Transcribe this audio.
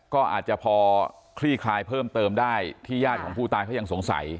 ก็อาจจะพอคลี่คลายเพิ่มเติมได้ที่ญาติของผู้ตายเขายังสงสัย